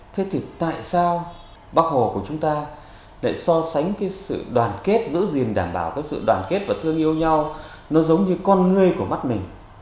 thế thì tại sao bắc hồ của chúng ta lại so sánh cái sự đoàn kết giữ gìn đảm bảo cái sự đoàn kết và thương yêu nhau nó giống như con người của mắt mình